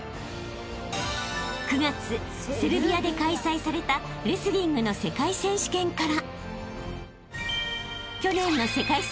［９月セルビアで開催されたレスリングの世界選手権から］